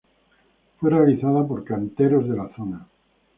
Fue realizada por canteros de la zona.